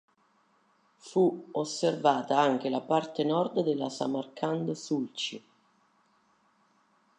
Fu osservata anche la parte nord della Samarkand Sulci.